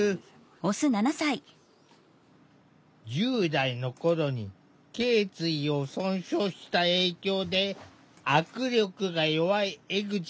１０代の頃にけい椎を損傷した影響で握力が弱い江口さん。